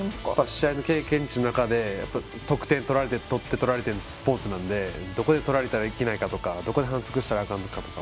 試合の経験値の中で得点を取って取られてのスポーツなのでどこで取られてはいけないとかどこで反則してはあかんとか。